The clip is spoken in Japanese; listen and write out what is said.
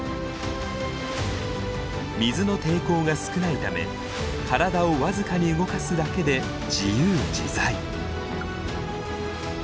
水の抵抗が少ないため体を僅かに動かすだけで自由自在。